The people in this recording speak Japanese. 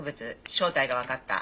正体がわかった。